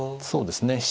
そうですね。